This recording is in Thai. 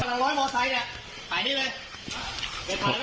แสงถ้าเราไม่อยู่ตรงนี้ไหนจะหายหน้ากับมัน